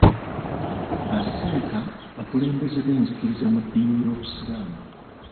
Ba sseeka bakulembeze b'enzikiriza mu dddiini y'obusiraamu.